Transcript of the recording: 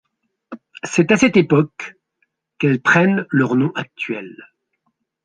C'est à cette époque qu'elles prennent leurs noms actuels.